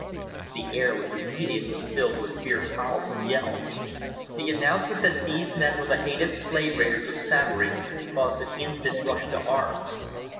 The air was immediately filled with fierce howls and yells. The announcement that these men were the hated slave raiders of Samory caused an instant rush to arms.